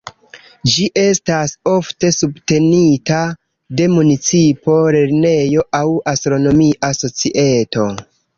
Ĝi estas ofte subtenita de municipo, lernejo aŭ astronomia societo.